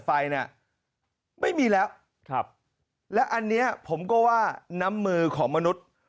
ไฟเนี่ยไม่มีแล้วครับและอันนี้ผมก็ว่าน้ำมือของมนุษย์